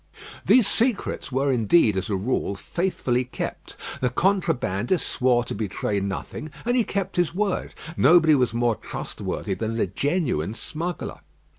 These secrets were indeed, as a rule, faithfully kept. The contrabandist swore to betray nothing, and he kept his word; nobody was more trustworthy than the genuine smuggler.